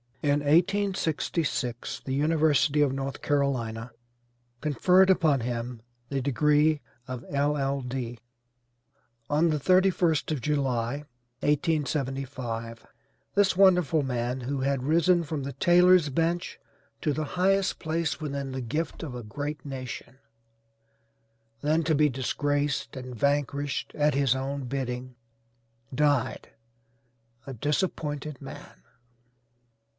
In 1866 the University of North Carolina conferred upon him the degree of LL.D. On the 31st of July, 1875, this wonderful man, who had risen from the tailor's bench, to the highest place within the gift of a great nation, then to be disgraced and vanquished at his own bidding, died a disappointed man.